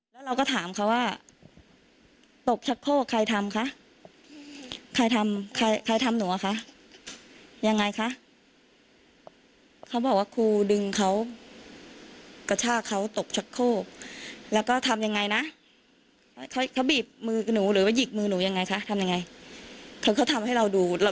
แล้วก็ทำแบบเนี้ยเขาทำให้เราดูอะ